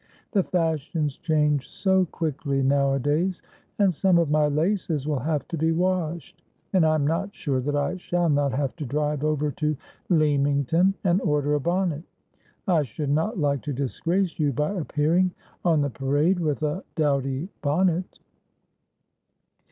The fashions change so quickly nowadays. And some of my laces will have to be washed. And I am not sure that I shall not have to drive over to Leamington and order a bonnet. I should not like to disgrace you by appearing on the parade with a dowdy bonnet.'